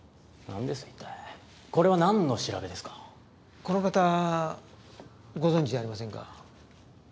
この方ご存じありませんか？